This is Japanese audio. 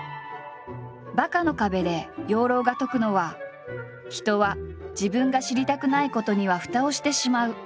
「バカの壁」で養老が説くのは「人は自分が知りたくないことにはふたをしてしまう」ということ。